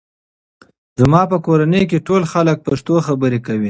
زما په کورنۍ کې ټول خلک پښتو خبرې کوي.